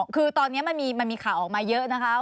คือตอนนี้มันมีข่าวออกมาเยอะนะคะ